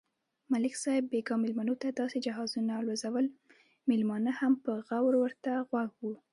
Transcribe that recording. ملک صاحب بیگا مېلمنوته داسې جهازونه الوزول، مېلمانه هم په غور ورته غوږ و.